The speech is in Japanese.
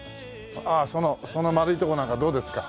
ああそのその丸いとこなんかどうですか？